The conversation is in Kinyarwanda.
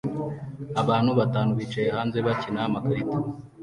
Abantu batanu bicaye hanze bakina amakarita